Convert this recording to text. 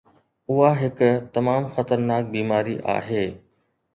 اها هڪ تمام خطرناڪ بيماري آهي.